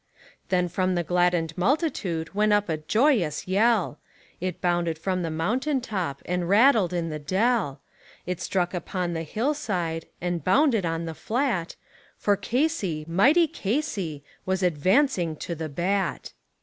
Then from the gladdened multitude went up a joyous yell, It bounded from the mountain top, and rattled in the dell, It struck upon the hillside, and rebounded on the flat; For Casey, mighty Casey, was advancing to the bat.